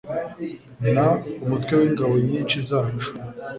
n umutwe w ingabo nyinshi zacu